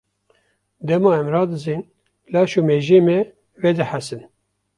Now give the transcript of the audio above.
Dema em radizên laş û mejiyê me vedihesin.